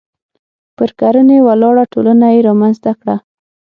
پر کرنې ولاړه ټولنه یې رامنځته کړه.